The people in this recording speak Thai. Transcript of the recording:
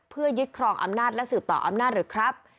เพื่อยึดครองอำนาจและสืบต่ออำนาจหรือครับ